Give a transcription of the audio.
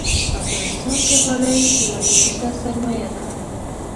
په افغانستان کې غالۍ یوه دودیزه سرمایه ده.